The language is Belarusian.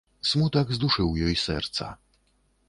Смутак здушыў ёй сэрца.